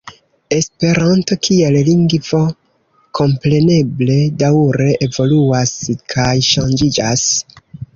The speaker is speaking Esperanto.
Esperanto kiel lingvo kompreneble daŭre evoluas kaj ŝanĝiĝas.